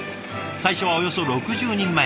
最初はおよそ６０人前。